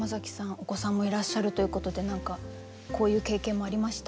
お子さんもいらっしゃるということで何かこういう経験もありました？